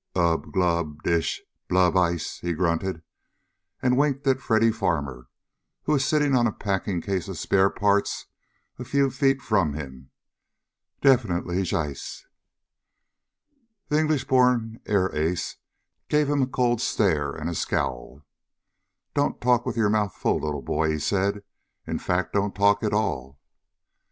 "Ub glub dish blub ice," he grunted, and winked at Freddy Farmer, who was sitting on a packing case of spare parts a few feet from him. "Deferenally jice!" The English born air ace gave him a cold stare and a scowl. "Don't talk with your mouth full, little boy!" he said. "In fact, don't talk at all."